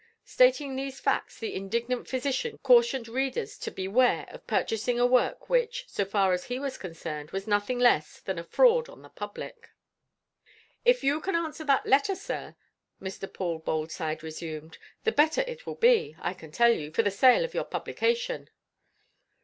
Stating these facts, the indignant physician cautioned readers to beware of purchasing a work which, so far as he was concerned, was nothing less than a fraud on the public. "If you can answer that letter, sir," Mr. Paul Boldside resumed, "the better it will be, I can tell you, for the sale of your publication."